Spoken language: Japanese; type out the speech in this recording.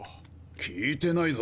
聞いてないぞ。